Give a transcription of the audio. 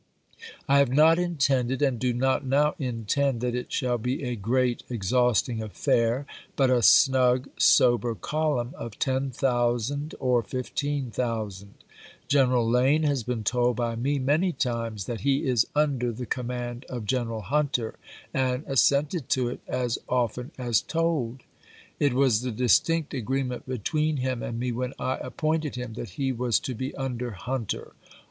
I have not intended, and do not now intend, that it shall be a great, exhausting affair, but a snug, sober column of 10,000 or 15,000. General Lane has been told by me many times that he is under the command of General Hunter, and assented to it as often as told. It was the distinct agreement between him and me, when I appointed him, that he was to be under Hunter."